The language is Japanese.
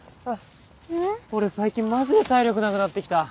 俺最近マジで体力なくなってきた。